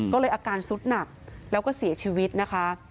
ก็เลยอาการสุดหนักแล้วก็เสียชีวิตนะคะ